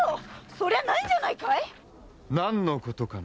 そりゃないんじゃないかい⁉何のことかな？